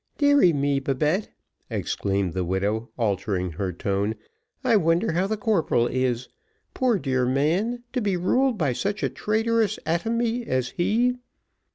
Deary me, Babette," exclaimed the widow, altering her tone, "I wonder how the corporal is: poor dear man, to be ruled by such a traitorous atomy as he."